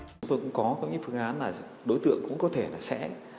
chúng tôi cũng có những phương án là đối tượng cũng có thể là sẽ